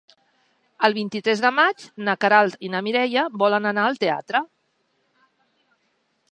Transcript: El vint-i-tres de maig na Queralt i na Mireia volen anar al teatre.